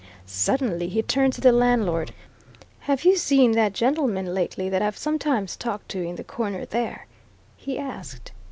Suddenly he turned to the landlord. "Have you seen that gentleman lately that I've sometimes talked to in the corner there?" he asked.